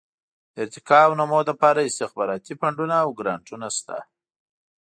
د ارتقاء او نمو لپاره استخباراتي فنډونه او ګرانټونه شته.